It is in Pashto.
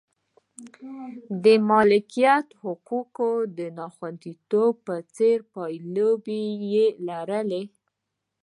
د مالکیت حقوقو د ناخوندیتوب په څېر پایلې یې لرلې.